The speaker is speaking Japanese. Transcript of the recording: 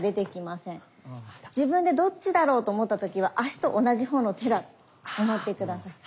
自分でどっちだろうと思った時は足と同じ方の手だと思って下さい。